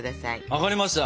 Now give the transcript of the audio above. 分かりました。